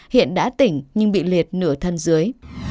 hiện đã tỉnh nhưng bị liệt nửa thân dưới